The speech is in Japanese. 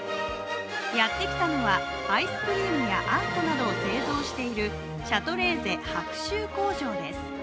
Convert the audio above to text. やってきたのはアイスクリームやあんこなどを製造しているシャトレーゼ白州工場です。